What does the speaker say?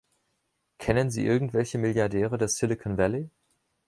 Kennen Sie irgendwelche Milliardäre des Silicon Valley?